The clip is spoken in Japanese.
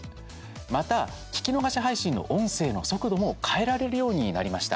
また聞き逃がし配信の音声の速度も変えられるようになりました。